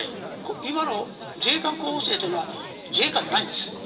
今の自衛官候補生というのは自衛官じゃないんです。